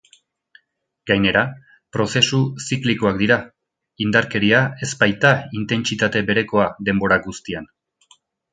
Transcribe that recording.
Gainera, prozesu ziklikoak dira, indarkeria ez baita intentsitate berekoa denbora guztian.